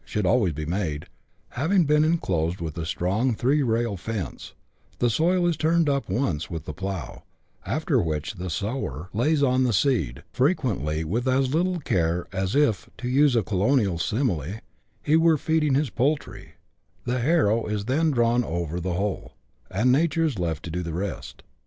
should always be made), having been enclosed with a strong three rail fence, the soil is turned up once with the plough, after which the sower " lays on " the seed, frequently with as little care as if, to use a colonial simile, he were feeding his poultry : the harrow is then drawn once over the whole, and Nature is left to do the rest.